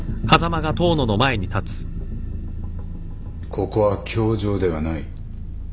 ここは教場ではない。